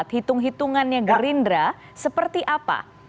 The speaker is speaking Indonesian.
hitung hitungannya gerindra seperti apa